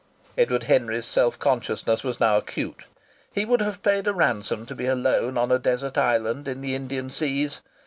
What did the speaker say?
Edward Henry's self consciousness was now acute. He would have paid a ransom to be alone on a desert island in the Indian seas.